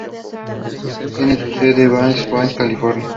Tiene su sede en Grass Valley, California.